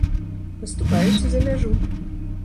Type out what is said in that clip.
Паступаюць і за мяжу.